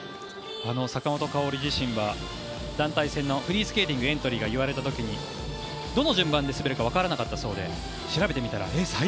坂本花織自身は団体戦のフリースケーティングのエントリーが言われた時にどの順番で滑るかわからなかったそうで調べてみたら、え？